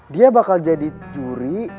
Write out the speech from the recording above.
dia bakal jadi juri